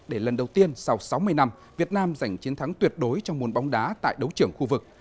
để lần đầu tiên sau sáu mươi năm việt nam giành chiến thắng tuyệt đối trong môn bóng đá tại đấu trưởng khu vực